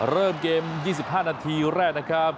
เริ่มเกม๒๕นาทีแรกนะครับ